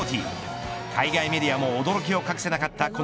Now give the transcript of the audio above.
海外メディアも驚きを隠せなかった